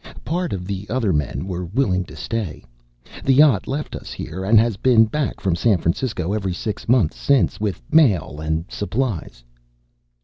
Part of the other men were willing to stay. The yacht left us here, and has been back from San Francisco every six months since, with mail and supplies."